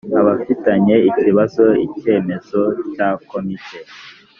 abafitanye ikibazo icyemezo cya komite